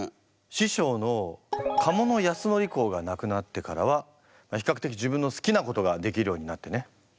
師匠の加茂保憲公が亡くなってからは比較的自分の好きなことができるようになってね。